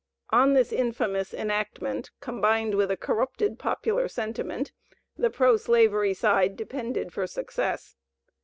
On this infamous enactment, combined with a corrupted popular sentiment, the pro slavery side depended for success.